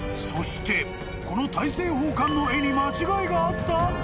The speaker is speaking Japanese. そして、この大政奉還の絵に間違いがあった？